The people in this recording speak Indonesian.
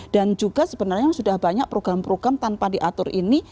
dan juga sebenarnya sudah banyak program program tanpa diatur ini